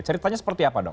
ceritanya seperti apa dong